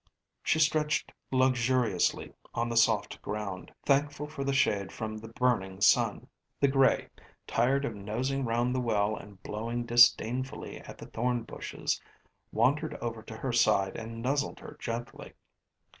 She stretched luxuriously on the soft ground, thankful for the shade from the burning sun. The grey, tired of nosing round the well and blowing disdainfully at the thorn bushes, wandered over to her side and nuzzled her gently.